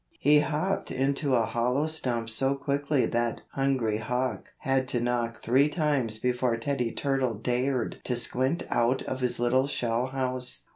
He hopped into a hollow stump so quickly that Hungry Hawk had to knock three times before Teddy Turtle dared to squint out of his little shell house.